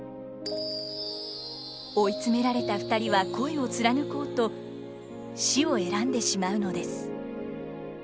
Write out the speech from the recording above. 追い詰められた２人は恋を貫こうと死を選んでしまうのです。